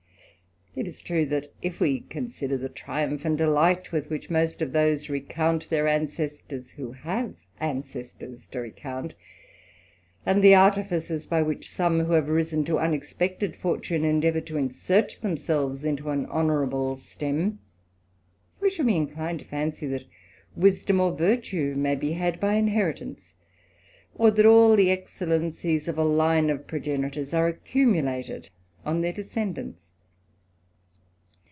It is true, that if we consider the triumph and delight with which most of those recount their ancestors, who have ancestors to recount, and the artifices by which some who have risen to unexpected fortune endeavour to insert them selves into an honourable stem, we shall be inclined to fancy that wisdom or virtue may be had by inheritance, or that all the excellencies of a line of progenitors are accumu lated on their descendants.